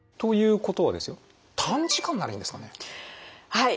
はい。